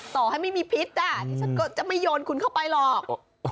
ต่อให้ไม่มีพิษที่ฉันก็จะไม่โยนคุณเข้าไปหรอก